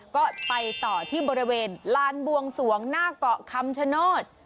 ก็ไปต่อที่บริเวณลานบวงสวงหน้าเกาะคำชโนธ